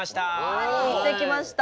はい行ってきました。